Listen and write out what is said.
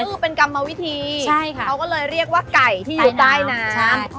ก็คือเป็นกรรมวิธีใช่ค่ะเขาก็เลยเรียกว่าไก่ที่อยู่ใต้น้ำ